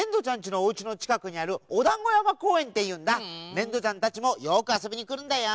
ねんどちゃんたちもよくあそびにくるんだよ。